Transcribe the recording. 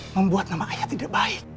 membuat nama ayah tidak baik